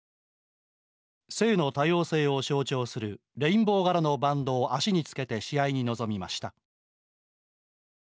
性の多様性を象徴するレインボー柄のバンドを足につけて試合に臨みました。